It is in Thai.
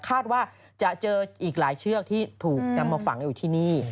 คาดว่าจะเจออีกหลายเชือกที่ถูกนำมาฝังอยู่ที่นี่